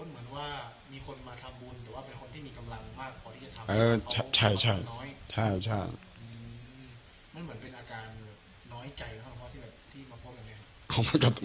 มันเหมือนเป็นอาการน้อยใจนะครับเพราะที่มาพบกันเนี่ย